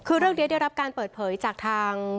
คือเรื่องนี้ได้รับการเปิดเผยจากทาง